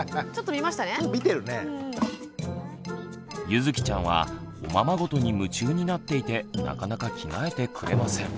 ゆづきちゃんはおままごとに夢中になっていてなかなか着替えてくれません。